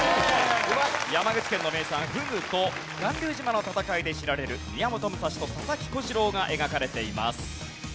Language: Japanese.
山口県の名産フグと巌流島の戦いで知られる宮本武蔵と佐々木小次郎が描かれています。